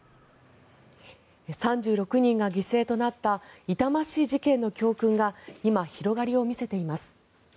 ３６人が犠牲となった痛ましい事件の教訓が今、広がりを見せています。